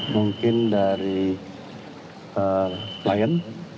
mungkin dari lion